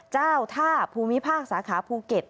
เจ้าท่าภูมิภาคสาขาภูเก็ต